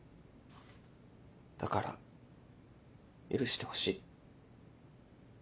だから許してほしい。